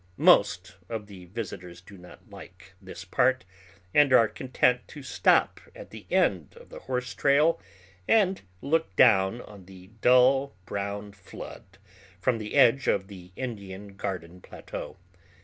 Most of the visitors do not like this part, and are content to stop at the end of the horse trail and look down on the dull brown flood from the edge of the Indian Garden Plateau.